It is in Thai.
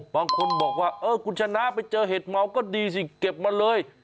บางคนบอกว่าเออคุณชนะไปเจอเห็ดเมาก็ดีสิเก็บมาเลย